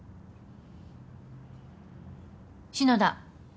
篠田。